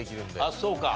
あっそうか。